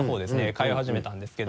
通い始めたんですけど。